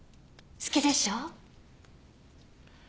好きでしょう？